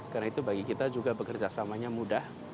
karena itu bagi kita juga bekerja samanya mudah